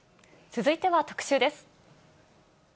続いては特集です。